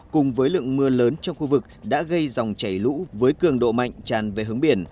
cùng với lượng mưa lớn trong khu vực đã gây dòng chảy lũ với cường độ mạnh tràn về hướng biển